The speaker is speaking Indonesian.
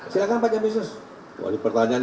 silahkan pak jamisus wadih pertanyaan